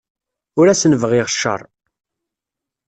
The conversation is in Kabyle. Ur asen-bɣiɣ cceṛ.